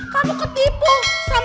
kamu ketipu sama tiket gratis murah itu